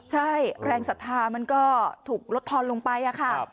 ใช่แรงศรัทธามันก็ถูกลดทอนลงไปค่ะ